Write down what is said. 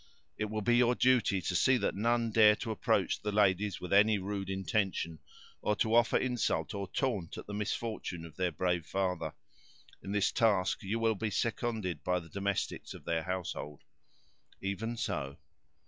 "It will be your duty to see that none dare to approach the ladies with any rude intention, or to offer insult or taunt at the misfortune of their brave father. In this task you will be seconded by the domestics of their household." "Even so."